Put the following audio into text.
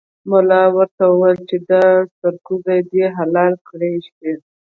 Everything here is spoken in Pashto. ملا ورته وویل چې دا سرکوزی دې حلال کړای شي.